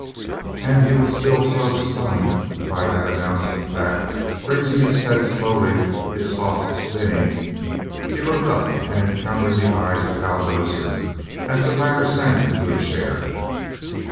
And he was still so stunned by that announcement that, raising his head slowly, his thoughts spinning, he looked up and encountered the eyes of Hal Dozier as the latter sank into a chair.